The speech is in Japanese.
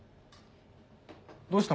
どうした？